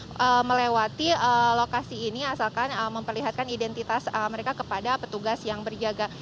pregunta masyarakat yang melewati lokasi ini asalkan memperlihatkan identitas mereka kepada petugas yang berniaga